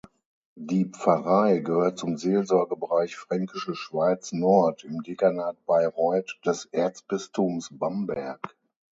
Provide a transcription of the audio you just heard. Die Pfarrei gehört zum Seelsorgebereich Fränkische Schweiz Nord im Dekanat Bayreuth des Erzbistums Bamberg.